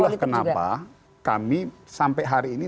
itulah kenapa kami sampai hari ini